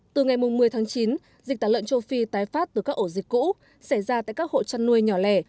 từ ngày một mươi tháng chín dịch tả lợn châu phi tái phát từ các ổ dịch cũ xảy ra tại các hộ chăn nuôi nhỏ lẻ